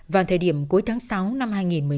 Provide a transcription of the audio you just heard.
vào thời điểm cuối tháng sáu năm hai nghìn một mươi chín